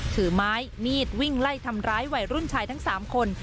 ถือไม้มีดวิ่งไล่ทำร้ายวัยรุ่นชายทั้ง๓คน